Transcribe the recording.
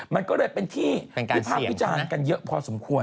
มันก็เลยเป็นที่วิพากษ์วิจารณ์กันเยอะพอสมควร